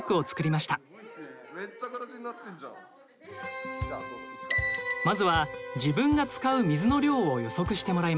まずは自分が使う水の量を予測してもらいます。